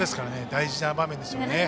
大事な場面ですよね。